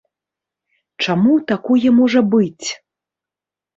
Чаму такое можа быць?